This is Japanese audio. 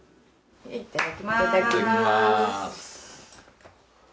いただきます。